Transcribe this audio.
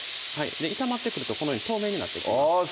炒まってくるとこのように透明になってきますあぁ